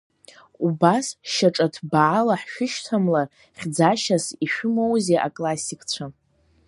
Убас шьаҿа ҭбаала ҳшәышьҭамлар хьӡашьас ишәымоузеи аклассикцәа!